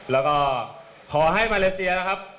แล้วก็ขอให้มาเลเซียนะครับ